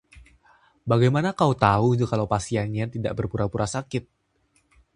Bagaimana kau tahu kalau pasiennya tidak berpura-pura sakit?